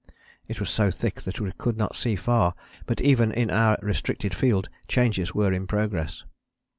It was so thick that we could not see far; but even in our restricted field changes were in progress.